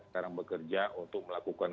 sekarang bekerja untuk melakukan